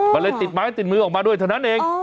มันเลยติดไม้ติดมือออกมาด้วยเท่านั้นเอง